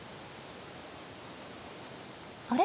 あれ？